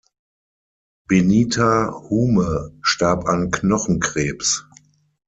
Benita Hume starb an Knochenkrebs.